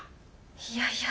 いやいや。